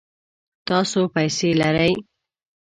تاسو پیسې لرئ؟